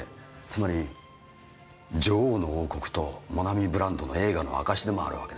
つまり女王の王国とモナミブランドの栄華の証しでもあるわけです。